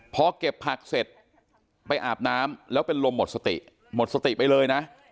พอเก็บผักเสร็จไปอาบน้ำแล้วเป็นลมหมดสติหมดสติไปเลยนะ